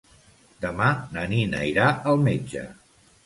Demà na Nina irà al metge.